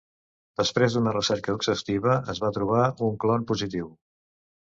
Després d’una recerca exhaustiva, es va trobar un clon positiu.